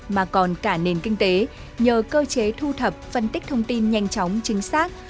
mà còn cả nền kinh tế nhờ cơ chế thu thập phân tích thông tin nhanh chóng chính xác